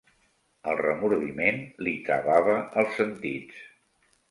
El remordiment li travava els sentits.